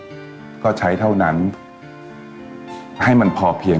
ส่วนความเพียงเราก็ถูกพูดอยู่ตลอดเวลาในเรื่องของความพอเพียง